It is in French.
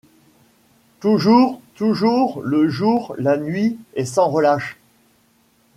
Toujours, toujours, le jour, la nuit, et sans relâche